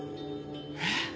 えっ。